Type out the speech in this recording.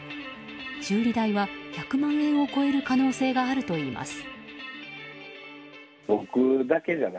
修理代は１００万円を超える可能性があるといいます。